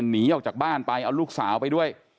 หนีออกจากบ้านไปเอาลูกสาวไปด้วย